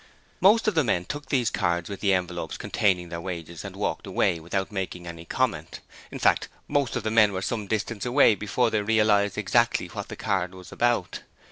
Most of the men took these cards with the envelopes containing their wages and walked away without making any comment in fact, most of them were some distance away before they realized exactly what the card was about.